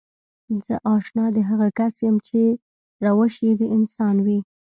زه اشنا د هغه کس يم چې روش يې د انسان وي.